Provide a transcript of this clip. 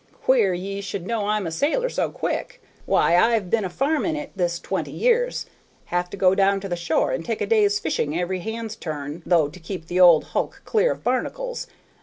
"Queer ye should know I'm a sailor so quick; why, I've been a farming it this twenty years; have to go down to the shore and take a day's fishing every hand's turn, though, to keep the old hulk clear of barnacles.